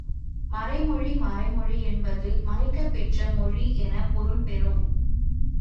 மறைமொழி மறைமொழி என்பது மறைக்கப்பெற்ற மொழி எனப் பொருள் பெறும்.